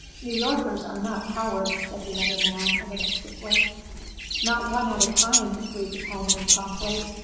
"New Yorkers are not cowards," said the other man, a little stiffly. "Not one at a time," agreed the tall man, promptly.